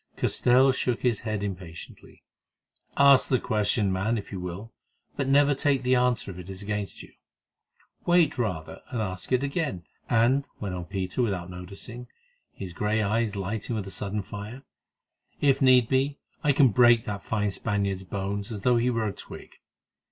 Castell shook his head impatiently. "Ask the question, man, if you will, but never take the answer if it is against you. Wait rather, and ask it again—" "And," went on Peter without noticing, his grey eyes lighting with a sudden fire, "if need be, I can break that fine Spaniard's bones as though he were a twig."